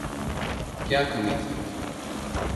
کیا کمی تھی۔